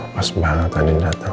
pas banget anin dateng